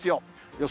予想